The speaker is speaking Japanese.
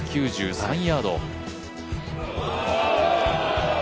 １９３ヤード。